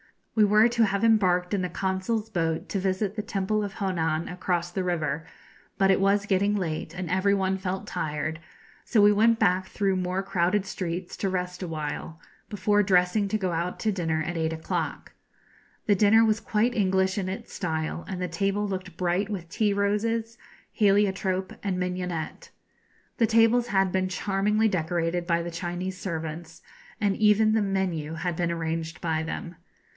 We were to have embarked in the Consul's boat to visit the Temple of Honan across the river, but it was getting late, and every one felt tired; so we went back through more crowded streets to rest awhile, before dressing to go out to dinner at eight o'clock. The dinner was quite English in its style, and the table looked bright with tea roses, heliotrope, and mignonette. The tables had been charmingly decorated by the Chinese servants, and even the menu had been arranged by them.